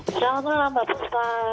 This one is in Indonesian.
selamat malam mbak pustah